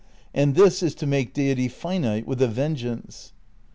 And this is to make Deity finite with a vengeance.